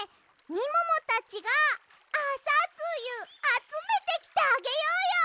みももたちがあさつゆあつめてきてあげようよ！